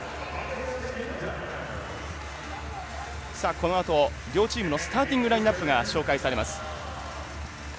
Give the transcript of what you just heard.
このあと、両チームのスターティングラインアップが紹介されます。